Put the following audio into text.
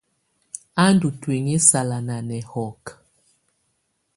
Á ndù ntuinyii sala nà nɛhɔkɛ.